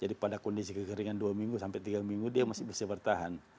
jadi pada kondisi kekeringan dua minggu sampai tiga minggu dia masih bisa bertahan